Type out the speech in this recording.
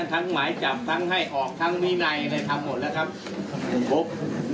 ทั้งหมายจับทั้งให้ออกทั้งมีในอะไรทั้งหมดแล้วครับครับ